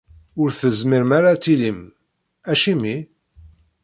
Ur tezmirem ara ad tilim? Acimi?